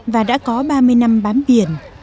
và đã có ba mươi năm bám biển